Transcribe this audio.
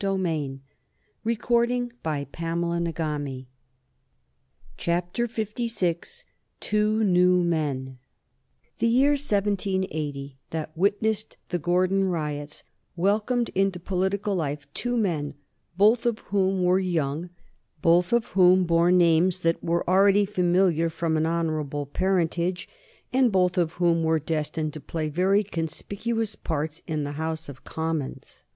TWO NEW MEN. [Sidenote: 1780 The younger Pitt and Brinsley Sheridan] The year 1780 that witnessed the Gordon riots welcomed into political life two men, both of whom were young, both of whom bore names that were already familiar from an honorable parentage, and both of whom were destined to play very conspicuous parts in the House of Commons.